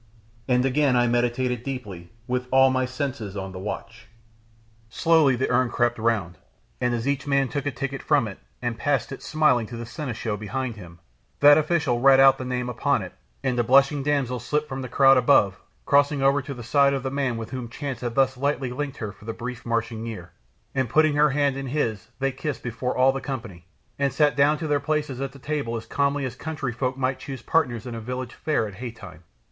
And again I meditated deeply, with all my senses on the watch. Slowly the urn crept round, and as each man took a ticket from it, and passed it, smiling, to the seneschal behind him, that official read out the name upon it, and a blushing damsel slipped from the crowd above, crossing over to the side of the man with whom chance had thus lightly linked her for the brief Martian year, and putting her hands in his they kissed before all the company, and sat down to their places at the table as calmly as country folk might choose partners at a village fair in hay time.